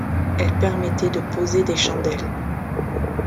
Elles permettaient de poser des chandelles.